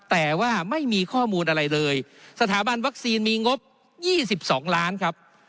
แต่ว่าไม่มีข้อมูลอะไรเลยสถาบันวัคซีนมีงบ๒๒ล้านครับ